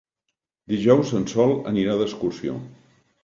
Dijous en Sol anirà d'excursió.